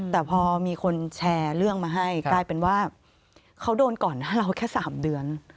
แต่พอมีคนแชร์เรื่องมาให้กลายเป็นว่าเขาโดนก่อนหน้าเราแค่๓เดือน